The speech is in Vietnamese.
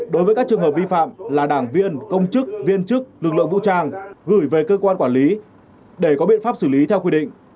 đối với các trường hợp vi phạm là đảng viên công chức viên chức lực lượng vũ trang gửi về cơ quan quản lý để có biện pháp xử lý theo quy định